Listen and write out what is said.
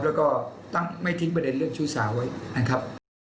แล้วก็ตั้งไม่ทิ้งประเด็นเรื่องชู้สาวไว้นะครับ